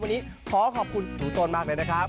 วันนี้ขอขอบคุณถุงต้นมากเลยนะครับ